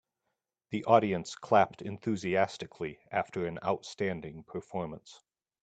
The audience clapped enthusiastically after an outstanding performance.